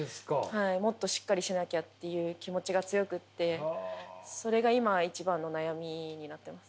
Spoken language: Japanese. はいもっとしっかりしなきゃっていう気持ちが強くてそれが今は一番の悩みになってます。